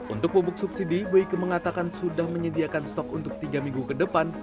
untuk pupuk subsidi boike mengatakan sudah menyediakan stok untuk tiga minggu ke depan